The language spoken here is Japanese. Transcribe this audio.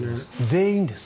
全員です。